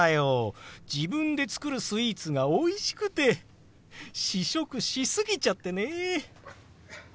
自分で作るスイーツがおいしくて試食し過ぎちゃってね。